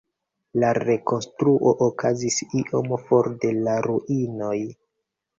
La rekonstruo okazis iom for de la ruinoj.